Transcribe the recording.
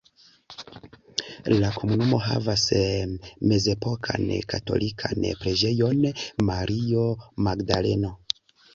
La komunumo havas mezepokan katolikan Preĝejon Mario Magdaleno.